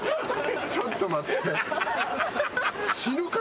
ちょっと待って。